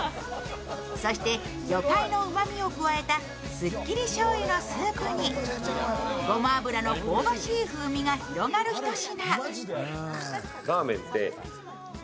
そして魚介のうまみを加えたすっきりしょうゆのスープにごま油の香ばしい風味が広がる一品。